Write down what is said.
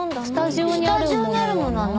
スタジオにあるもの。